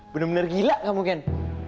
bener bener gila kamu ken